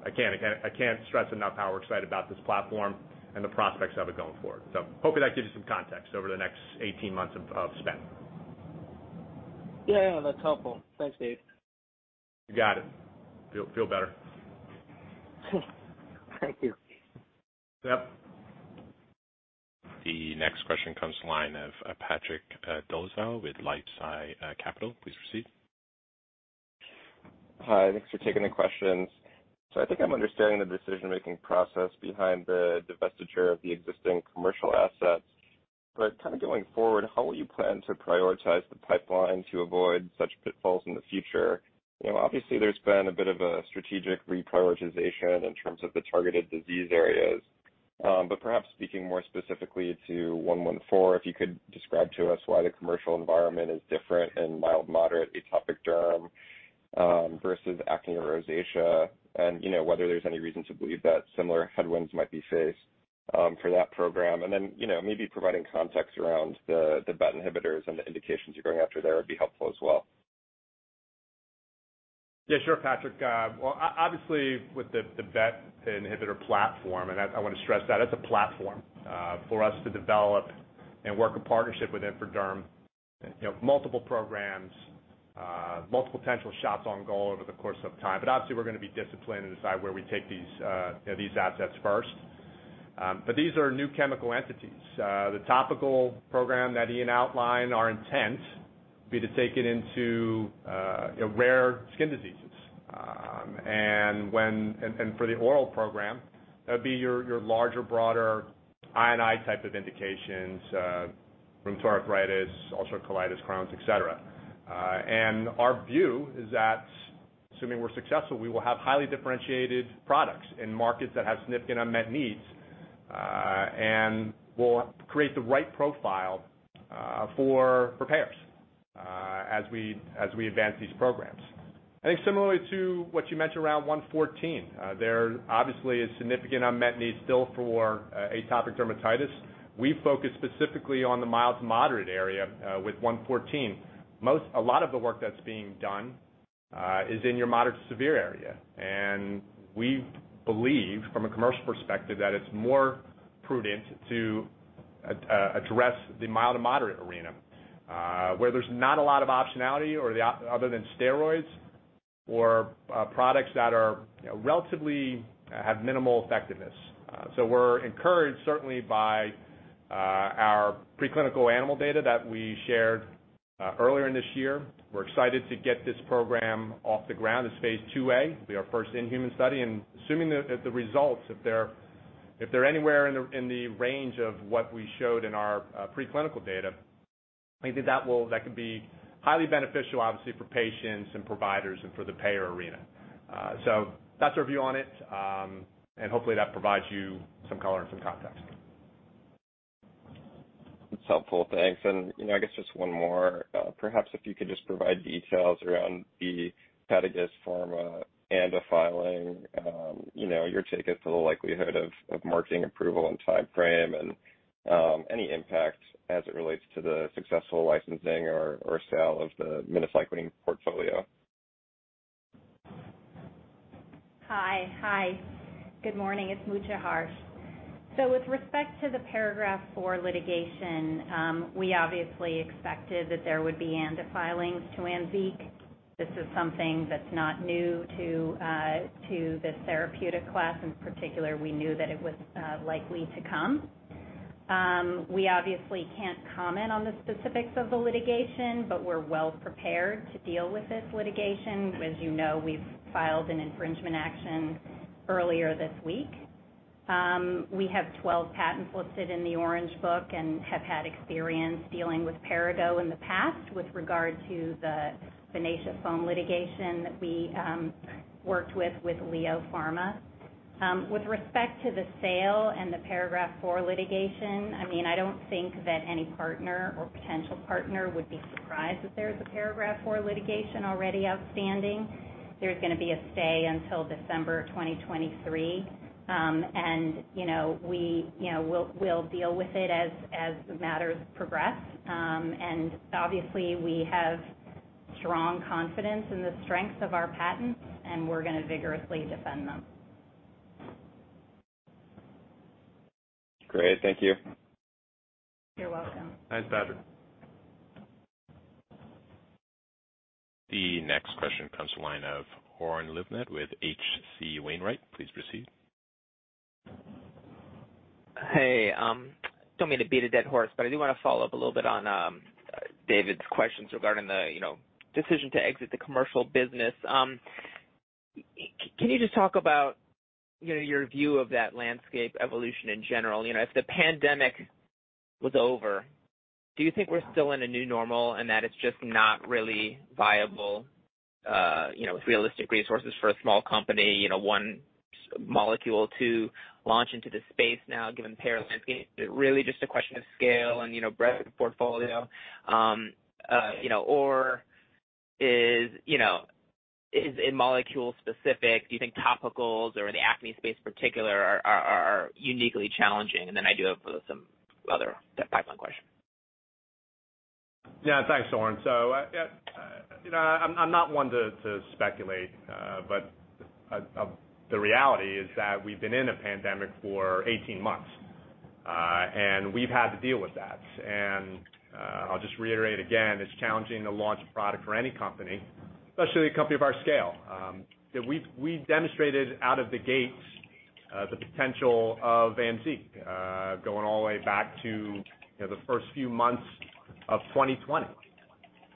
I can't stress enough how we're excited about this platform and the prospects of it going forward. Hopefully that gives you some context over the next 18 months of spend. Yeah, that's helpful. Thanks, Dave. You got it. Feel better. Thank you. Yep. The next question comes to the line of Patrick Dolezal now with LifeSci Capital. Please proceed. Hi, thanks for taking the questions. I think I'm understanding the decision-making process behind the divestiture of the existing commercial assets. Kind of going forward, how will you plan to prioritize the pipeline to avoid such pitfalls in the future? Obviously, there's been a bit of a strategic reprioritization in terms of the targeted disease areas. Perhaps speaking more specifically to FMX114, if you could describe to us why the commercial environment is different in mild-to-moderate atopic dermatitis versus acne and rosacea, and whether there's any reason to believe that similar headwinds might be faced for that program. Maybe providing context around the BET inhibitors and the indications you're going after there would be helpful as well. Yeah, sure, Patrick. Obviously with the BET inhibitor platform, and I want to stress that, it's a platform for us to develop and work a partnership with In4Derm. Multiple programs, multiple potential shots on goal over the course of time. Obviously we're going to be disciplined and decide where we take these assets first. These are new chemical entities. The topical program that Iain outlined, our intent would be to take it into rare skin diseases. For the oral program, that'd be your larger, broader I&I type of indications, rheumatoid arthritis, ulcerative colitis, Crohn's, et cetera. Our view is that, assuming we're successful, we will have highly differentiated products in markets that have significant unmet needs, and we'll create the right profile for payers as we advance these programs. I think similarly to what you mentioned around FMX114, there obviously is significant unmet need still for atopic dermatitis. We focus specifically on the mild to moderate area with FMX114. A lot of the work that's being done is in your moderate to severe area, and we believe from a commercial perspective that it's more prudent to address the mild to moderate arena, where there's not a lot of optionality other than steroids or products that relatively have minimal effectiveness. We're encouraged certainly by our preclinical animal data that we shared earlier in this year. We're excited to get this program off the ground. It's phase IIa, it'll be our first in-human study. Assuming that the results, if they're anywhere in the range of what we showed in our preclinical data, I think that could be highly beneficial, obviously, for patients and providers and for the payer arena. That's our view on it. Hopefully that provides you some color and some context. That's helpful. Thanks. I guess just one more. Perhaps if you could just provide details around the Padagis Pharma ANDA filing. Your take as to the likelihood of marketing approval and timeframe, and any impact as it relates to the successful licensing or sale of the minocycline portfolio. Hi. Good morning. It's Mutya Harsch. With respect to the Paragraph IV litigation, we obviously expected that there would be ANDA filings to AMZEEQ. This is something that's not new to this therapeutic class. In particular, we knew that it was likely to come. We obviously can't comment on the specifics of the litigation, but we're well prepared to deal with this litigation. As you know, we've filed an infringement action earlier this week. We have 12 patents listed in the Orange Book and have had experience dealing with Perrigo in the past with regard to the Finacea Foam litigation that we worked with LEO Pharma. With respect to the sale and the Paragraph IV litigation, I don't think that any partner or potential partner would be surprised that there is a Paragraph IV litigation already outstanding. There's going to be a stay until December 2023. We'll deal with it as matters progress. Obviously, we have strong confidence in the strength of our patents and we're going to vigorously defend them. Great. Thank you. You're welcome. Thanks, Patrick. The next question comes to the line of Oren Livnat with H.C. Wainwright. Please proceed. Don't mean to beat a dead horse, I do want to follow up a little bit on David's questions regarding the decision to exit the commercial business. Can you just talk about your view of that landscape evolution in general? If the pandemic was over, do you think we're still in a new normal and that it's just not really viable with realistic resources for a small company, one molecule to launch into the space now, given the payer landscape? Is it really just a question of scale and breadth of portfolio? Is it molecule specific? Do you think topicals or the acne space particular are uniquely challenging? I do have some other pipeline questions. Thanks, Oren. I'm not one to speculate, but the reality is that we've been in a pandemic for 18 months. We've had to deal with that. I'll just reiterate again, it's challenging to launch a product for any company, especially a company of our scale. We demonstrated out of the gates the potential of AMZEEQ going all the way back to the first few months of 2020.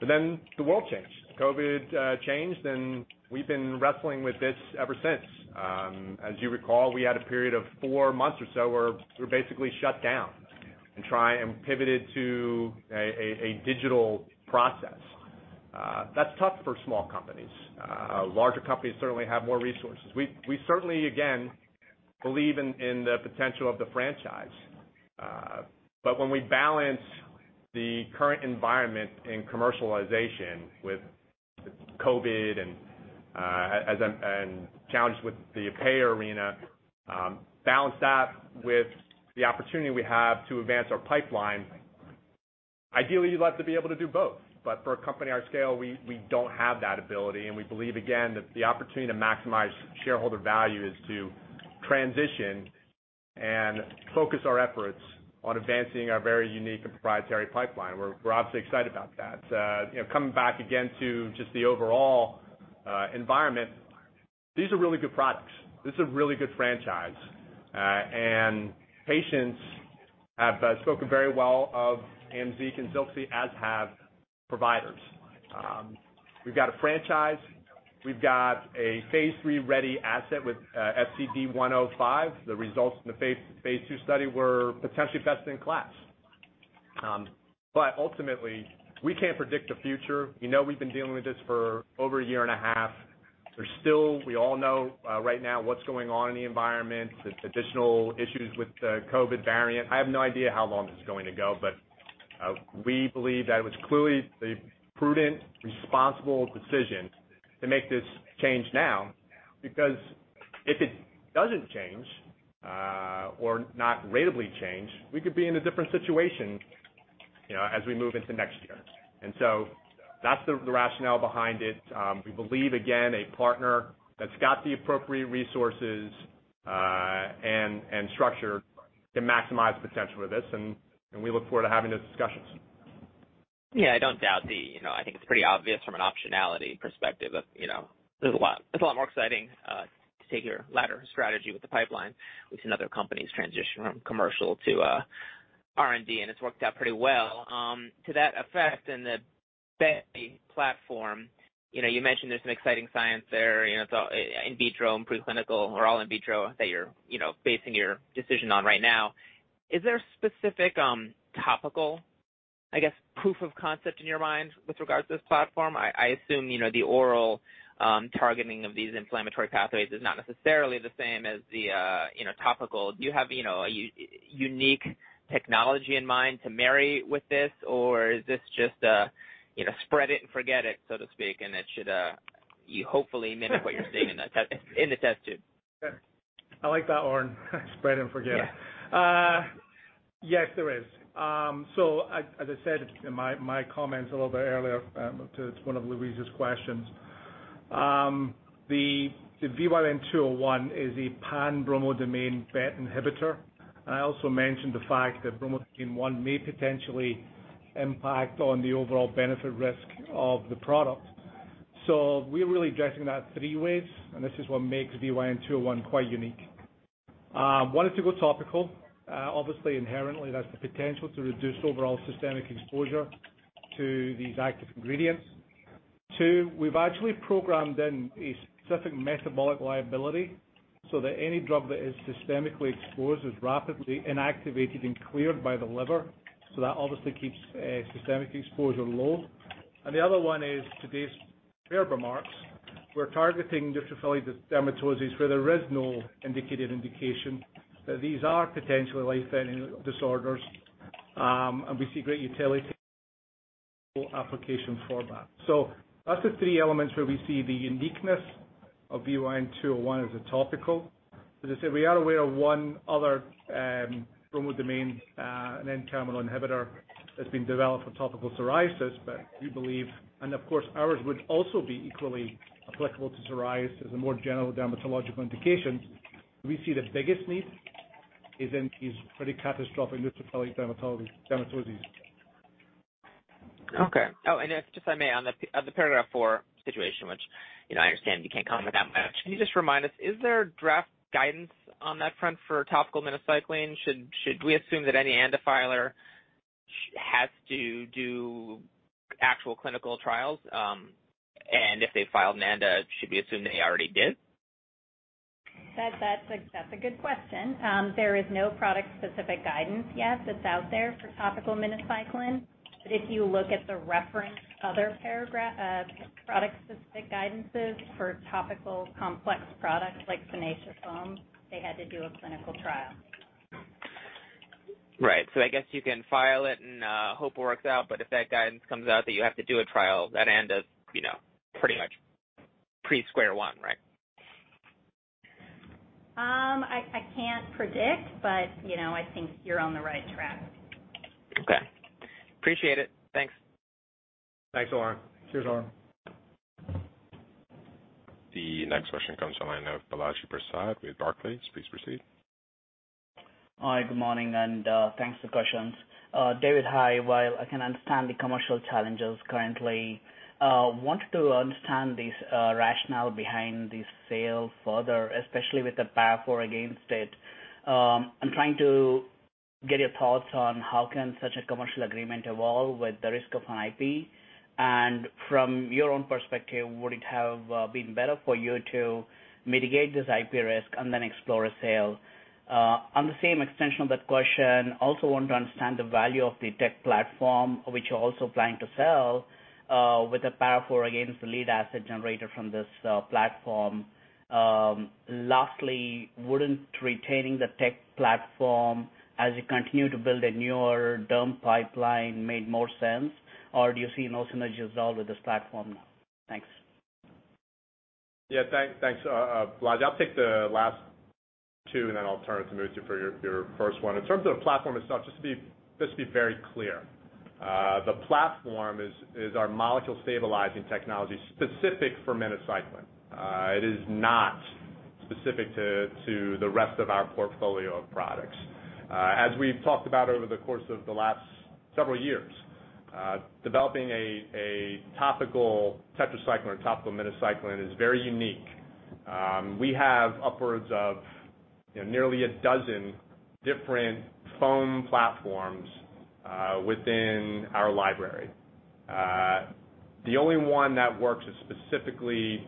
The world changed. COVID changed, and we've been wrestling with this ever since. As you recall, we had a period of four months or so where we were basically shut down and pivoted to a digital process. That's tough for small companies. Larger companies certainly have more resources. We certainly, again, believe in the potential of the franchise. When we balance the current environment in commercialization with COVID and challenges with the payer arena, balance that with the opportunity we have to advance our pipeline, ideally, you'd like to be able to do both. For a company our scale, we don't have that ability, and we believe, again, that the opportunity to maximize shareholder value is to transition and focus our efforts on advancing our very unique and proprietary pipeline. We're obviously excited about that. Coming back again to just the overall environment. These are really good products. This is a really good franchise. Patients have spoken very well of AMZEEQ and ZILXI, as have providers. We've got a franchise. We've got a phase III-ready asset with FCD105. The results from the phase II study were potentially best in class. Ultimately, we can't predict the future. We know we've been dealing with this for over a year and a half. We all know right now what's going on in the environment. There's additional issues with the COVID-19 variant. I have no idea how long this is going to go, but we believe that it was clearly the prudent, responsible decision to make this change now, because if it doesn't change, or not ratably change, we could be in a different situation as we move into next year. That's the rationale behind it. We believe, again, a partner that's got the appropriate resources and structure can maximize the potential of this, and we look forward to having those discussions. I don't doubt the I think it's pretty obvious from an optionality perspective of, there's a lot more exciting to take your latter strategy with the pipeline. We've seen other companies transition from commercial to R&D, and it's worked out pretty well. To that effect, in the BET platform, you mentioned there's some exciting science there. It's all in vitro and preclinical or all in vitro that you're basing your decision on right now. Is there a specific topical, I guess, proof of concept in your mind with regard to this platform? I assume, the oral targeting of these inflammatory pathways is not necessarily the same as the topical. Do you have a unique technology in mind to marry with this, or is this just a spread it and forget it, so to speak, and it should hopefully mimic what you're seeing in the test tube? I like that, Oren. Spread and forget. Yeah. Yes, there is. As I said in my comments a little bit earlier to one of Louise's questions. The VYN201 is a pan-bromodomain BET inhibitor, and I also mentioned the fact that bromodomain 1 may potentially impact on the overall benefit risk of the product. We're really addressing that three ways, and this is what makes VYN201 quite unique. One is to go topical. Obviously, inherently, that's the potential to reduce overall systemic exposure to these active ingredients. Two, we've actually programmed in a specific metabolic liability so that any drug that is systemically exposed is rapidly inactivated and cleared by the liver. That obviously keeps systemic exposure low. The other one is, to Dave's earlier remarks, we're targeting dysregulative dermatoses where there is no indicated indication that these are potentially life-threatening disorders. We see great utility application for that. That's the three elements where we see the uniqueness of VYN201 as a topical. As I said, we are aware of one other bromodomain and terminal inhibitor that's been developed for topical psoriasis, we believe, and of course, ours would also be equally applicable to psoriasis and more general dermatological indications. We see the biggest need is in these pretty catastrophic dysregulative dermatoses. Okay. If I may, on the Paragraph IV situation, which I understand you can't comment on that much. Can you just remind us, is there draft guidance on that front for topical minocycline? Should we assume that any ANDA filer has to do actual clinical trials? If they filed an ANDA, should we assume they already did? That's a good question. There is no product-specific guidance yet that's out there for topical minocycline. If you look at the referenced other product-specific guidances for topical complex products like Finacea Foam, they had to do a clinical trial. Right. I guess you can file it and hope it works out, but if that guidance comes out that you have to do a trial, that end is pretty much pre-square one, right? I can't predict, but I think you're on the right track. Okay. Appreciate it. Thanks. Thanks, Oren. Cheers, Oren. The next question comes on line of Balaji Prasad with Barclays. Please proceed. Hi, good morning, and thanks for the questions. David, hi. While I can understand the commercial challenges currently, wanted to understand the rationale behind this sale further, especially with the Paragraph IV against it. Get your thoughts on how can such a commercial agreement evolve with the risk of an IP? From your own perspective, would it have been better for you to mitigate this IP risk and then explore a sale? On the same extension of that question, also want to understand the value of the tech platform which you're also planning to sell with the Paragraph IV, again, the lead asset generator from this platform. Lastly, wouldn't retaining the tech platform as you continue to build a newer derm pipeline made more sense, or do you see no synergies at all with this platform now? Yeah, thanks Balaji. I'll take the last two and then I'll turn it to Mutya for your first one. In terms of the platform itself, just to be very clear, the platform is our molecule stabilizing technology specific for minocycline. It is not specific to the rest of our portfolio of products. As we've talked about over the course of the last several years, developing a topical tetracycline or topical minocycline is very unique. We have upwards of nearly 12 different foam platforms within our library. The only one that works is specifically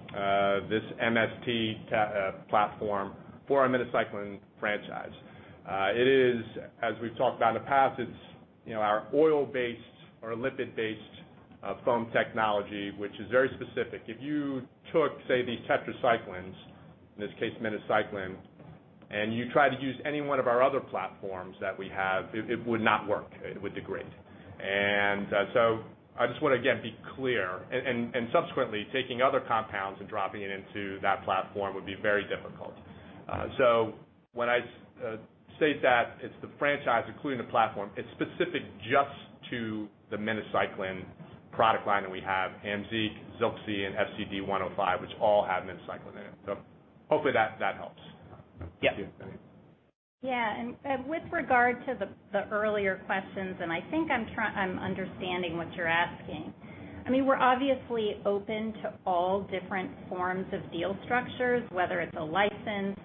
this MST platform for our minocycline franchise. It is, as we've talked about in the past, it's our oil-based or lipid-based foam technology, which is very specific. If you took, say, these tetracyclines, in this case minocycline, and you try to use any one of our other platforms that we have, it would not work. It would degrade. I just want to, again, be clear. Subsequently, taking other compounds and dropping it into that platform would be very difficult. When I state that it's the franchise including the platform, it's specific just to the minocycline product line that we have, AMZEEQ, ZILXI, and FCD105, which all have minocycline in it. Hopefully that helps. Yeah. Yeah. With regard to the earlier questions, and I think I'm understanding what you're asking. We're obviously open to all different forms of deal structures, whether it's a license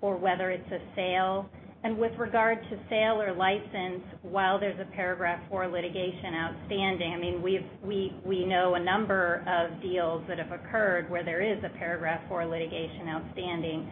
or whether it's a sale. With regard to sale or license, while there's a Paragraph IV litigation outstanding, we know a number of deals that have occurred where there is a Paragraph IV litigation outstanding.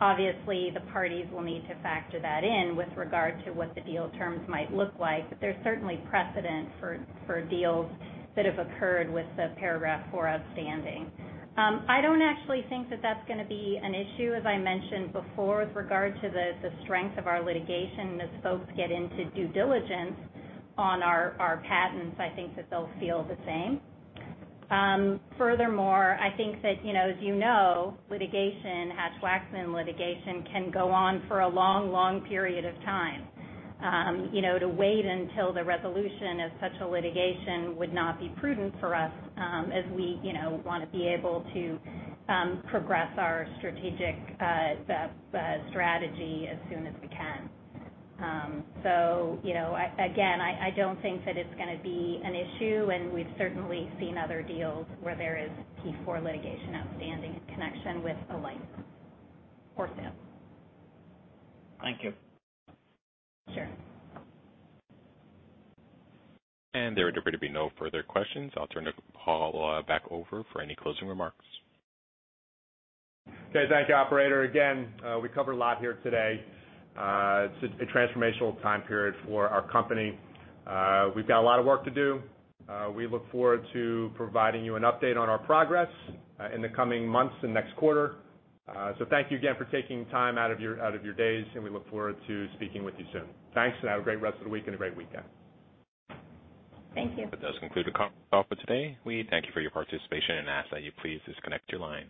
Obviously, the parties will need to factor that in with regard to what the deal terms might look like, but there's certainly precedent for deals that have occurred with the Paragraph IV outstanding. I don't actually think that that's going to be an issue. As I mentioned before, with regard to the strength of our litigation, as folks get into due diligence on our patents, I think that they'll feel the same. Furthermore, I think that, as you know, Hatch-Waxman litigation can go on for a long period of time. To wait until the resolution of such a litigation would not be prudent for us as we want to be able to progress our strategic strategy as soon as we can. Again, I don't think that it's going to be an issue and we've certainly seen other deals where there is Paragraph IV litigation outstanding in connection with a license or sale. Thank you. Sure. There appear to be no further questions. I'll turn the call back over for any closing remarks. Okay. Thank you, operator. We covered a lot here today. It's a transformational time period for our company. We've got a lot of work to do. We look forward to providing you an update on our progress in the coming months and next quarter. Thank you again for taking time out of your days, and we look forward to speaking with you soon. Thanks and have a great rest of the week and a great weekend. Thank you. That does conclude the conference call for today. We thank you for your participation and ask that you please disconnect your line.